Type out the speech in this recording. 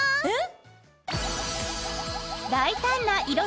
えっ？